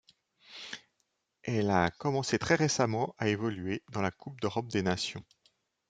Elle a commencé très récemment à évoluer dans la Coupe d'Europe des nations.